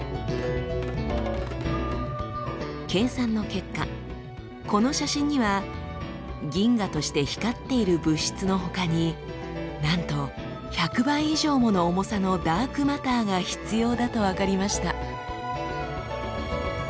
計算の結果この写真には銀河として光っている物質のほかになんと１００倍以上もの重さのダークマターが必要だと分かりました。